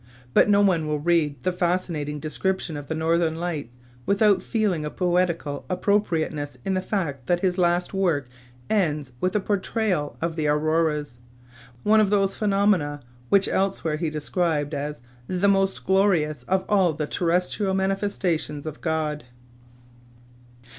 But no one will read the fascinating description of the Northern Lights without feeling a poetical appropriateness in the fact that his last work ends with a portrayal of the auroras—one of those phenomena which elsewhere he described as "the most glorious of all the terrestrial manifestations of God."